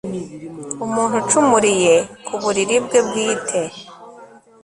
umuntu ucumuriye ku buriri bwe bwite